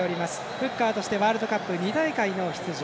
フッカーとしてワールドカップ２大会の出場。